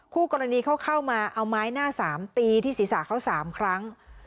คู่กรณีเขาเข้ามาเอาไม้หน้าสามตีที่ศีรษะเขา๓ครั้ง